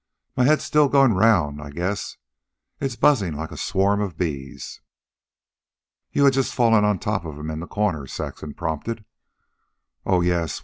My head's still goin' round I guess. It's buzzin' like a swarm of bees." "You'd just fallen on top of him in his corner," Saxon prompted. "Oh, yes.